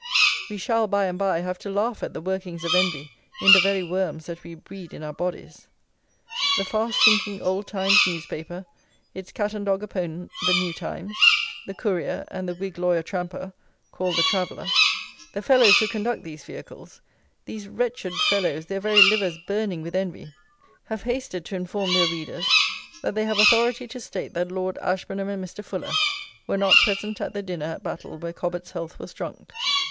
We shall, by and bye, have to laugh at the workings of envy in the very worms that we breed in our bodies! The fast sinking Old Times news paper, its cat and dog opponent the New Times, the Courier, and the Whig Lawyer Tramper, called the "Traveller;" the fellows who conduct these vehicles; these wretched fellows, their very livers burning with envy, have hasted to inform their readers, that "they have authority to state that Lord Ashburnham and Mr. Fuller were not present at the dinner at Battle where Cobbett's health was drunk."